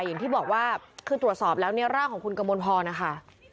อย่างที่บอกว่าคือตรวจสอบแล้วเนี่ยร่างของคุณกมลพรนะคะ